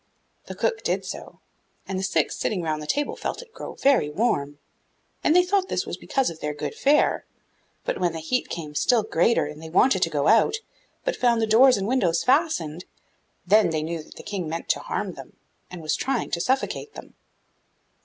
The cook did so, and the Six sitting round the table felt it grow very warm, and they thought this was because of their good fare; but when the heat became still greater and they wanted to go out, but found the doors and windows fastened, then they knew that the King meant them harm and was trying to suffocate them.